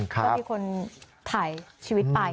ก็มีคนถ่ายชีวิตไป